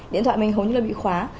điện thoại mình hầu như bị khóa